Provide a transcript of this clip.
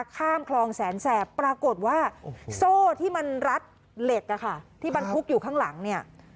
ข้ามคลองแสนแสบปรากฏว่าโซ่ที่มันรัดเหล็กอะค่ะที่บรรทุกอยู่ข้างหลังเนี่ย